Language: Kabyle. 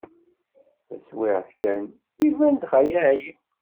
Taswiɛt kan, iban-d Xali Ɛli.